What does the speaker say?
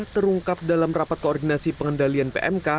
terungkap dalam rapat koordinasi pengendalian pmk